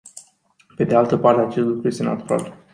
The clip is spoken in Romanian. Pe de altă parte, acest lucru este natural.